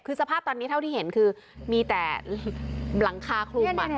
คือสภาพตอนนี้เท่าที่เห็นคือมีแต่หลังคาคลุม